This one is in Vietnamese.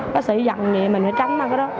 bác sĩ dặn mình phải tránh mất cái đó